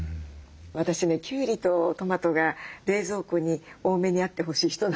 私ねきゅうりとトマトが冷蔵庫に多めにあってほしい人なのね。